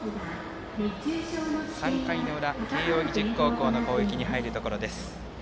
３回の裏、慶応義塾高校の攻撃に入るところです。